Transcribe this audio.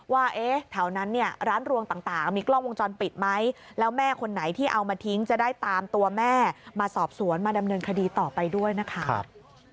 ว่าแถวนั้นเนี่ยร้านรวงต่างมีกล้องวงจรปิดไหมแล้วแม่คนไหนที่เอามาทิ้งจะได้ตามตัวแม่มาสอบสวนมาดำเนินคดีต่อไปด้วยนะครับ